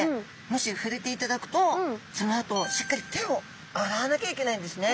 もしふれていただくとそのあとしっかり手を洗わなきゃいけないんですね。